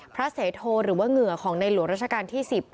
เสโทหรือว่าเหงื่อของในหลวงราชการที่๑๐